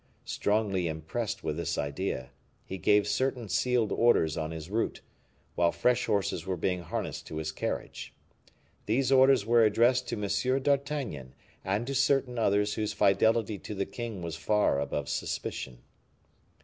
Strongly impressed with this idea, he gave certain sealed orders on his route, while fresh horses were being harnessed to his carriage. These orders were addressed to M. d'Artagnan and to certain others whose fidelity to the king was far above suspicion.